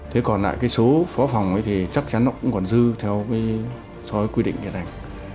thế còn lại số phó phòng thì chắc chắn cũng còn dư theo số quy định này